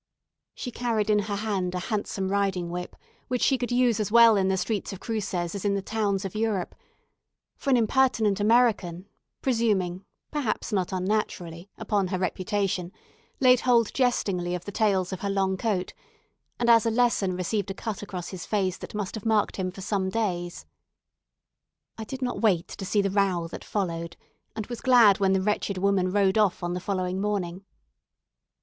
She carried in her hand a handsome riding whip, which she could use as well in the streets of Cruces as in the towns of Europe; for an impertinent American, presuming perhaps not unnaturally upon her reputation, laid hold jestingly of the tails of her long coat, and as a lesson received a cut across his face that must have marked him for some days. I did not wait to see the row that followed, and was glad when the wretched woman rode off on the following morning.